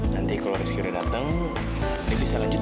nanti kalau rizky udah dateng dia bisa lanjutin